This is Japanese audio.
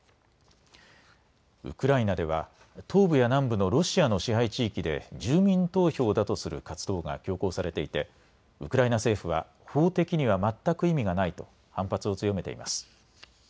ウクライナでは東部や南部のロシアの支配地域で住民投票だとする活動が強行されていてウクライナ政府は法的には全く意味がないと反発を強めています。